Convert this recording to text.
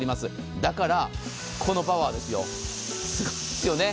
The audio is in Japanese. だからこのパワーですよ、すごいですよね。